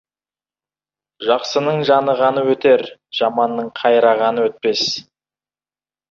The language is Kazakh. Жақсының жанығаны өтер, жаманның қайрағаны өтпес.